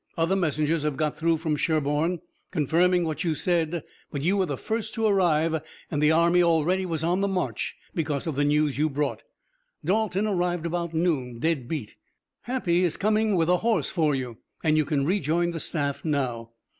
Other messengers have got through from Sherburne, confirming what you said, but you were the first to arrive and the army already was on the march because of the news you brought. Dalton arrived about noon, dead beat. Happy is coming with a horse for you, and you can rejoin the staff now."